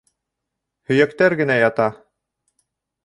Һөйәктәр генә ята.